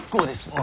あ？